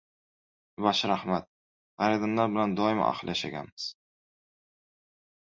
Mubashshir Ahmad: "G‘ayridinlar bilan doimo ahil yashaganmiz"